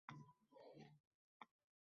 Na malak, na falakda vafo